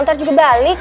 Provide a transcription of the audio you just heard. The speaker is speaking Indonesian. ntar juga balik